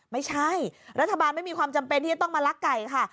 ไม่ใช่รัฐบาลไม่มีความจำเป็นที่จะต้องมาลักไก่ค่ะ